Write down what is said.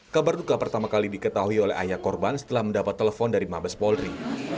kabar duka pertama kali diketahui oleh ayah korban setelah mendapat telepon dari mabes polri